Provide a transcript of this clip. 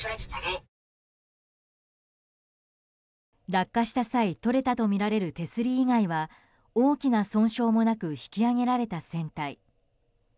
落下した際、取れたとみられる手すり以外は大きな損傷もなく引き揚げられた船体。